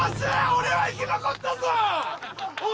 俺は生き残ったぞ！